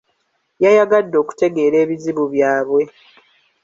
Yayagadde okutegeera ebizibu byabwe.